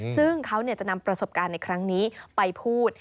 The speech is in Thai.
ซึ่งเขาจะนำประสบการณ์ในครั้งนี้ไปพูด